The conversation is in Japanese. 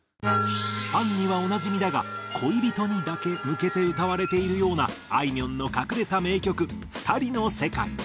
ファンにはおなじみだが恋人にだけ向けて歌われているようなあいみょんの隠れた名曲『ふたりの世界』。